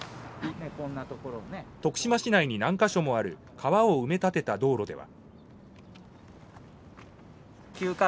徳島市内に何か所もある川を埋め立てた道路では。